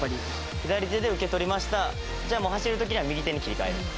左手で受け取りました、じゃあ、もう走るときは右手に切り替える。